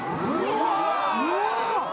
うわ！